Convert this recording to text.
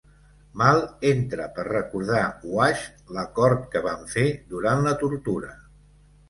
Mal entra per recordar Wash l'acord que van fer durant la tortura.